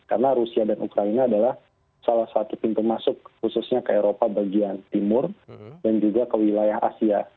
karena rusia dan ukraina adalah salah satu pintu masuk khususnya ke eropa bagian timur dan juga ke wilayah asia